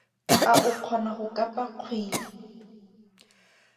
A o kgona go kapa kgwele?